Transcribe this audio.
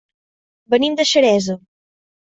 Venim de Xeresa.